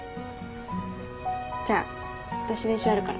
じゃあ私練習あるから。